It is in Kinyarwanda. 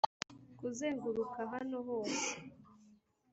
kuzenguruka hano hose